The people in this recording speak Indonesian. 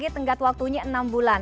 tengkat waktunya enam bulan